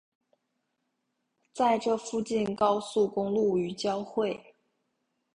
在这附近高速公路与交汇。